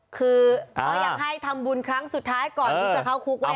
คืออ๋ออยากให้ทำบุญครั้งสุดท้ายก่อนที่จะเข้าคลุกไว้อย่างไง